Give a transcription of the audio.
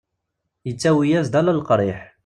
Yettawi-as-d ala leqriḥ.